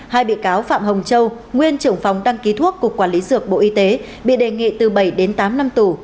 hai bị cáo phạm hồng châu nguyên trưởng phòng đăng ký thuốc cục quản lý dược bộ y tế bị đề nghị từ bảy đến tám năm tù